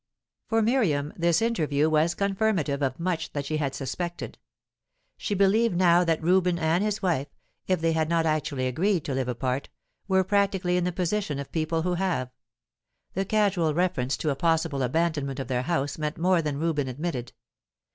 For Miriam, this interview was confirmative of much that she had suspected. She believed now that Reuben and his wife, if they had not actually agreed to live apart, were practically in the position of people who have. The casual reference to a possible abandonment of their house meant more than Reuben admitted.